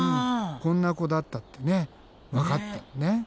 こんな子だったってわかったんだね。